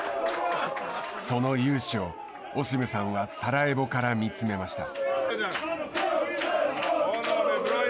その雄姿を、オシムさんはサラエボから見詰めました。